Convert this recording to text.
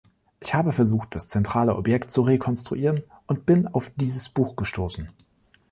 Ich habe versucht, das zentrale Objekt zu rekonstruieren, und bin auf dieses Buch gestoßen.